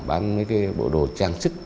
bán bộ đồ trang sức